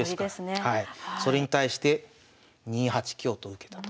それに対して２八香と受けたと。